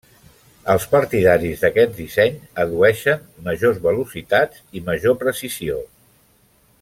Els partidaris d'aquest disseny addueixen majors velocitats i major precisió.